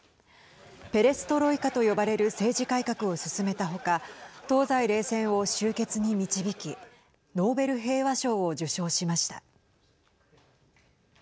ペレストロイカと呼ばれる政治改革を進めた他東西冷戦を終結に導きノーベル平和賞を受賞しました。